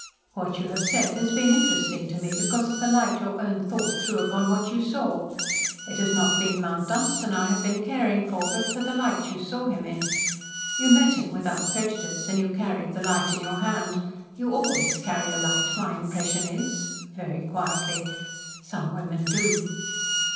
"What you have said has been interesting to me, because of the light your own thought threw upon what you saw. It has not been Mount Dunstan I have been caring for, but for the light you saw him in. You met him without prejudice, and you carried the light in your hand. You always carry a light, my impression is," very quietly. "Some women do."